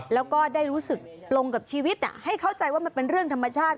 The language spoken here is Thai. แล้วก็ได้รู้สึกปลงกับชีวิตให้เข้าใจว่ามันเป็นเรื่องธรรมชาติ